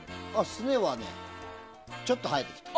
すねはね、ちょっと生えてきた。